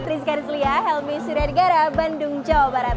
tris garis lia helmy suriadegara bandung jawa barat